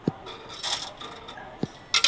د مذهب په وړاندې د دولت اطاعت واجب نه دی.